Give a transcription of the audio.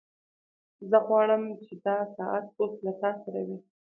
زه غواړم چې دا ساعت اوس له تا سره وي